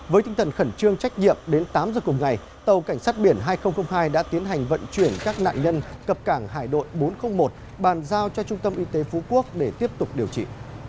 với tinh thần khẩn trương trách nhiệm đến tám giờ cùng ngày tàu cảnh sát biển hai nghìn hai đã tiến hành vận chuyển các nạn nhân cập cảng hải đội bốn trăm linh một bàn giao cho trung tâm y tế phú quốc để tiếp tục điều trị